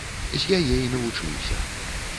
З яе і навучыўся.